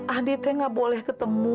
adit tidak boleh bertemu